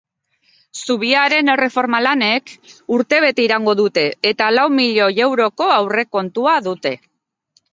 Zubiaren erreforma lanek urtebete iraungo dute eta lau milioi euroko aurrekontua dute.